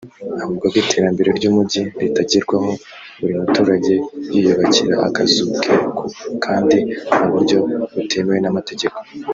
Avuga ko iterambere ry’umujyi ritagerwaho buri muturage yiyubakira akazu ke ku kandi mu buryo butemewe n’amategeko